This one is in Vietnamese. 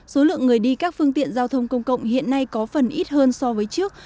số lượng người đi các phương tiện giao thông công cộng hiện nay có phần ít hơn so với trước